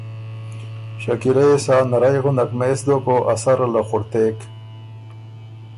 شکیلۀ يې سا نرئ غُندک مېس دوک او ا سره له خُړتېک